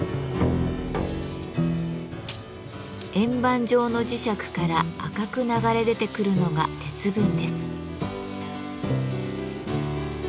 円盤状の磁石から赤く流れ出てくるのが鉄分です。